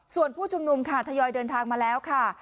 ส่วนผู้ชุมนุมค่ะทยอยเดินทางมาแล้วค่ะ